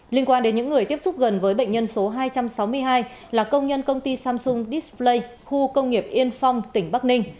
liên quan đến những người tiếp xúc gần với bệnh nhân số hai trăm sáu mươi hai là công nhân công ty samsung display khu công nghiệp yên phong tỉnh bắc ninh